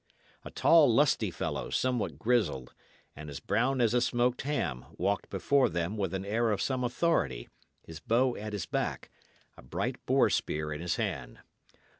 A tall, lusty fellow, somewhat grizzled, and as brown as a smoked ham, walked before them with an air of some authority, his bow at his back, a bright boar spear in his hand.